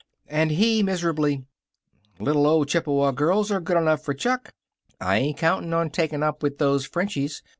And he, miserably: "Little old Chippewa girls are good enough for Chuck. I ain't counting on taking up with those Frenchies.